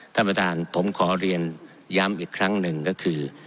ท่านประธานผมขอเรียนย้ำอีกครั้งหนึ่งก็คือ